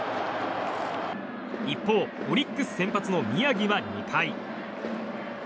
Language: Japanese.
一方、オリックス先発の宮城は２回。